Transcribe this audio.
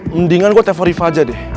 mendingan gue telpon rif aja deh